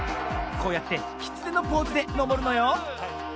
こうやってきつねのポーズでのぼるのよ。